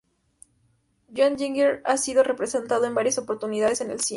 John Dillinger ha sido representado en varias oportunidades en el cine.